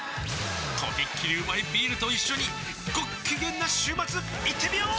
とびっきりうまいビールと一緒にごっきげんな週末いってみよー！